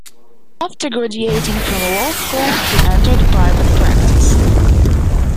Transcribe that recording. After graduating from law school, he entered private practice.